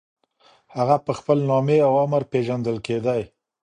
هغه په خپل نامې او عمر پېژندل کېدی.